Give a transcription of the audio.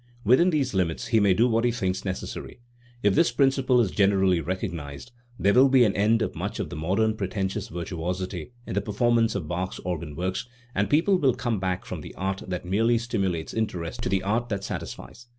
Within these limits he may do what he thinks necessary. If this principle is generally recognised, there will be an end of much of the modern pretentious virtuosity in the performance of Bach's organ works, and people will come back from the art that merely stimulates interest to the art that satisfies.